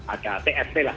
ada tsp lah